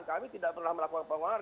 kami tidak pernah melakukan penguatan